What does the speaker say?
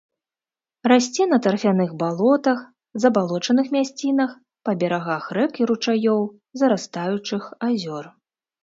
Расце на тарфяных балотах, забалочаных мясцінах, па берагах рэк і ручаёў, зарастаючых азёр.